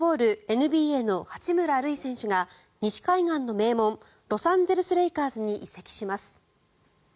ＮＢＡの八村塁選手が西海岸の名門ロサンゼルス・レイカーズに移籍します。